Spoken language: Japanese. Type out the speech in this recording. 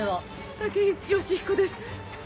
武井良彦です。